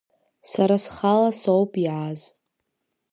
Сара схала соуп иааз…